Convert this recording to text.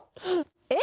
えっ？